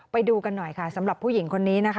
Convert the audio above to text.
ไปดูกันหน่อยค่ะสำหรับผู้หญิงคนนี้นะคะ